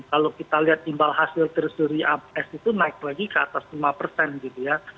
kalau kita lihat imbal hasil teresturi s itu naik lagi ke atas lima persen gitu ya